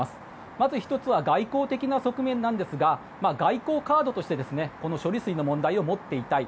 まず１つは外交的な側面なんですが外交カードとして処理水の問題を持っていたい